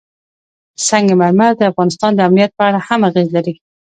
سنگ مرمر د افغانستان د امنیت په اړه هم اغېز لري.